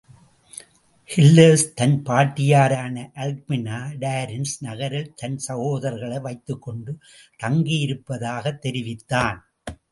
Hillis தன் பாட்டியாரான Alcmena Tiryns நகரில் தன் சகோதரர்களை வைத்துக்கொண்டு தங்கியிருப்பதாகத் தெரிவித்தான்.